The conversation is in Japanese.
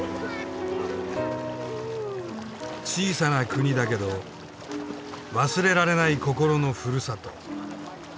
「小さな国だけど忘れられない心のふるさと」か。